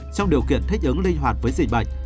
trong điều kiện thích ứng linh hoạt với dịch bệnh